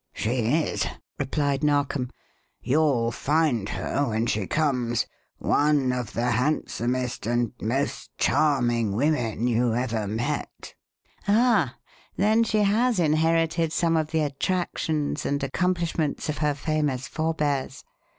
"She is," replied Narkom. "You'll find her, when she comes, one of the handsomest and most charming women you ever met." "Ah, then she has inherited some of the attractions and accomplishments of her famous forbears.